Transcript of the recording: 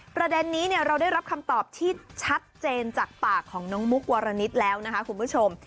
ประเด็นนี้เราได้รับคำตอบที่ชัดเจนจากปากของน้องมุกวรณิตแล้วนะคะคุณผู้ชม